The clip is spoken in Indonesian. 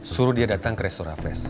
suruh dia datang ke restoran flash